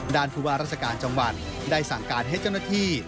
ผู้ว่าราชการจังหวัดได้สั่งการให้เจ้าหน้าที่